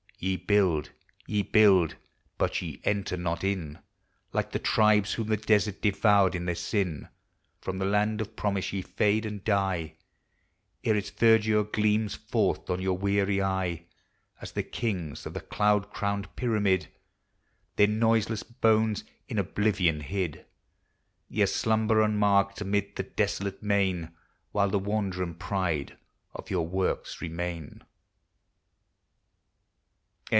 Ye build — ve build — but ve enter not in, Like the tribes whom the desert devoured in their sin; From the land of promise ye fade and die Ere its verdure gleams forth on your weary eye: As the kings of the cloud crowned pyramid, Their noiseless bones in oblivion hid, Ye slumber unmarked mid the desolate main, While the wonder and pride of your works re main.